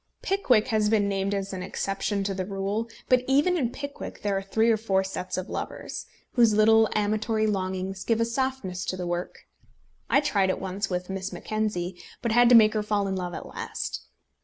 Pickwick has been named as an exception to the rule, but even in Pickwick there are three or four sets of lovers, whose little amatory longings give a softness to the work. I tried it once with Miss Mackenzie, but I had to make her fall in love at last.